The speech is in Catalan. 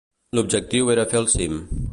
L'objectiu era fer el cim.